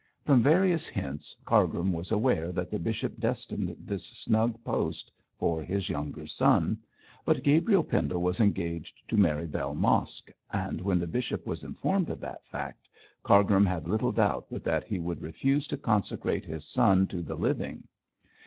From various hints, Cargrim was aware that the bishop destined this snug post for his younger son. But Gabriel Pendle was engaged to marry Bell Mosk, and when the bishop was informed of that fact, Cargrim had little doubt but that he would refuse to consecrate his son to the living.